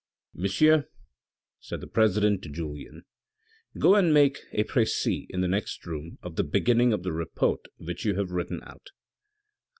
" Monsieur," said the president to Julien, " Go and make a precis in the next room qf the beginning of the report which you have written out."